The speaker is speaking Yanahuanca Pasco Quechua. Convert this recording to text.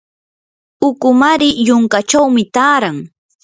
ukumari yunkachawmi taaran.